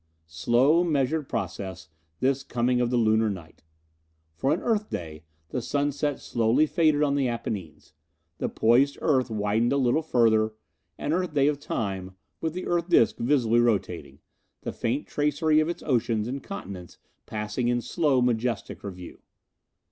Slow, measured process, this coming of the Lunar night! For an Earth day the sunset slowly faded on the Apennines; the poised Earth widened a little further an Earth day of time, with the Earth disc visibly rotating, the faint tracery of its oceans and continents passing in slow, majestic review.